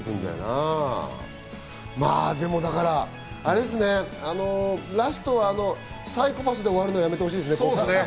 でも、だからあれですね、ラストはサイコパスで終わるのはやめてほしいですね。